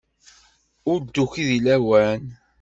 Ur d-tuki deg lawan.